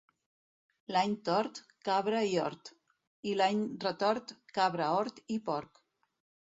L'any tort, cabra i hort; i l'any retort, cabra, hort i porc.